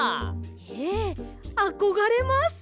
ええあこがれます。